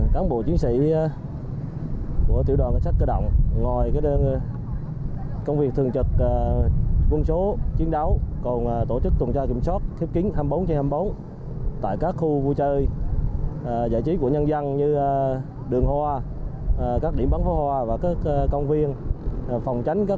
các bộ chiến sĩ của tiểu đoàn cảnh sát cơ động ngoài công việc thường trực quân số chiến đấu còn tổ chức tuần tra kiểm soát thiếp kính hai mươi bốn trên hai mươi bốn